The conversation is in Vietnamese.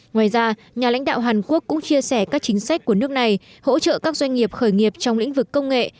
ngoài ra nhà lãnh đạo hàn quốc cũng chia sẻ các chính sách của nước này hỗ trợ các doanh nghiệp khởi nghiệp trong lĩnh vực công nghệ